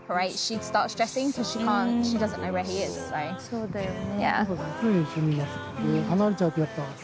そうだよね。